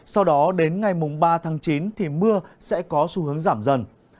sau đó đến ngày ba tháng chín thì mưa sẽ có xu hướng giảm dần